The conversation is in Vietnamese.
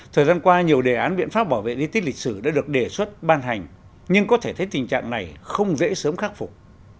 thời gian qua nhiều đề án biện pháp bảo vệ di tích lịch sử đã được đề xuất ban hành nhưng có thể thấy tình trạng này không dễ sớm khắc phục